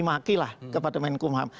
maki makilah kepada menkumham